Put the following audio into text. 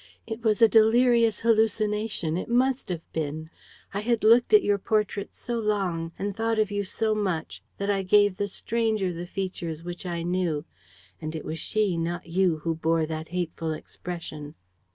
It was a delirious hallucination, it must have been. I had looked at your portrait so long and thought of you so much that I gave the stranger the features which I knew; and it was she, not you, who bore that hateful expression.